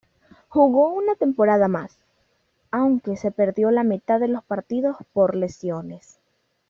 Jugó una temporada más, aunque se perdió la mitad de los partidos por lesiones.